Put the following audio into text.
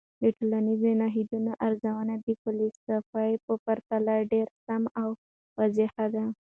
د ټولنیزو نهادونو ارزونې د فلسفې په پرتله ډیر سمی او واضح دي.